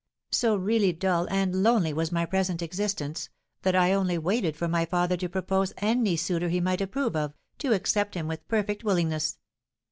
So really dull and lonely was my present existence, that I only waited for my father to propose any suitor he might approve of, to accept him with perfect willingness.